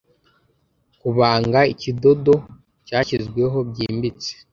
Kubanga ikidodo cyashizweho byimbitse!